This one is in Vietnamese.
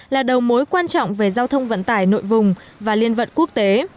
là đầu mối quan trọng về giao thông vận tải nội vùng và liên vận quốc tế